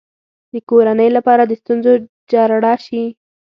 د کورنۍ لپاره د ستونزو جرړه شي.